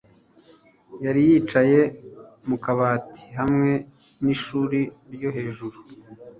Yari yicaye mu kabati hamwe n’ishuri ryo hejuru.